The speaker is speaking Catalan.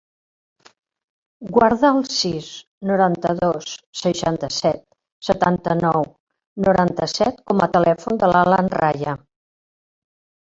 Guarda el sis, noranta-dos, seixanta-set, setanta-nou, noranta-set com a telèfon de l'Alan Raya.